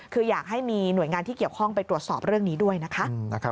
คืออยากให้มีหน่วยงานที่เกี่ยวข้องไปตรวจสอบเรื่องนี้ด้วยนะคะ